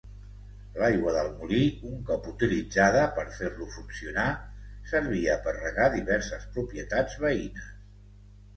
L’aigua del molí un cop utilitzada per fer-lo funcionar, servia per regar diverses propietats veïnes.